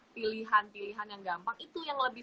pilihan pilihan yang gampang itu yang lebih